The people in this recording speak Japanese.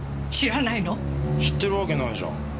知ってるわけないじゃん。